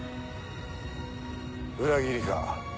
裏切りか。